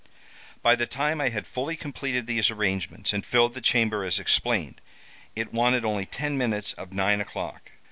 "By the time I had fully completed these arrangements and filled the chamber as explained, it wanted only ten minutes of nine o'clock.